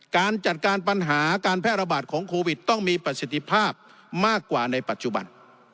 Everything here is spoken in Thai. การจัดการปัญหาการแพร่ระบาดของโควิดต้องมีประสิทธิภาพมากกว่าในปัจจุบัน